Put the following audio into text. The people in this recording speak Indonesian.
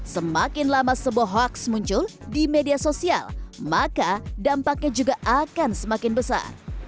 semakin lama sebuah hoax muncul di media sosial maka dampaknya juga akan semakin besar